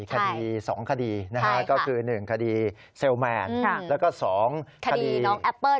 คดี๒คดีนะฮะก็คือ๑คดีเซลแมนแล้วก็๒คดีน้องแอปเปิ้ล